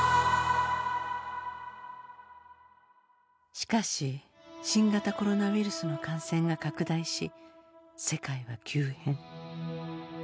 しかし新型コロナウイルスの感染が拡大し世界は急変。